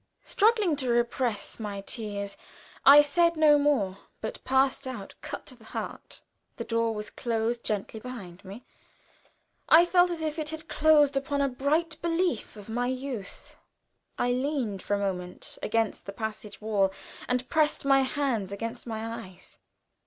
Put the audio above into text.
Struggling to repress my tears, I said no more, but passed out, cut to the heart. The door was closed gently behind me. I felt as if it had closed upon a bright belief of my youth. I leaned for a moment against the passage wall and pressed my hand against my eyes.